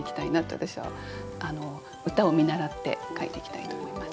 私は歌を見習って書いていきたいと思います。